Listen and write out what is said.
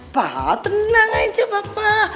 pa tenang aja papa